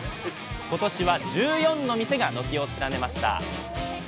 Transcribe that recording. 今年は１４の店が軒を連ねました。